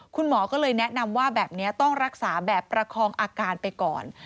คุณหมอก็เลยแนะนำว่าแบบนี้ต้องรักษาแบบประคองอาการไปก่อน